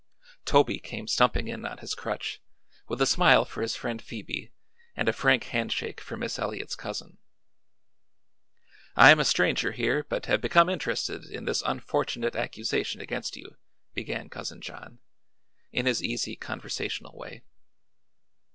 Toby came stumping in on his crutch, with a smile for his friend Phoebe and a frank handshake for Miss Eliot's cousin. "I am a stranger here but have become interested in this unfortunate accusation against you," began Cousin John, in his easy, conversational way.